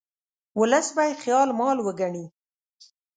ولس به یې خپل مال وګڼي.